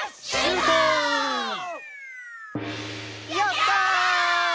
「やったー！！」